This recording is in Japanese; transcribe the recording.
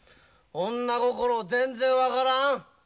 女心全然分からん。